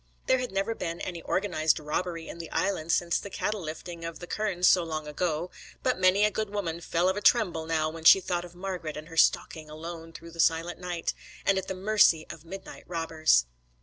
There had never been any organised robbery in the Island since the cattle lifting of the kernes long ago; but many a good woman fell of a tremble now when she thought of Margret and her 'stocking' alone through the silent night, and at the mercy of midnight robbers.